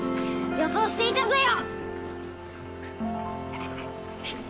予想していたぞよ！